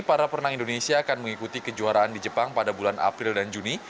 para perenang indonesia akan mengikuti kejuaraan di jepang pada bulan april dan juni